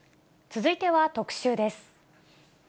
続いては特集です。